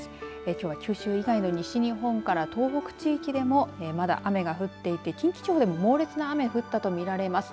きょうは九州以外の西日本から東北地方でもまだ雨が降っていて近畿地方でも猛烈な雨降ったと見られます。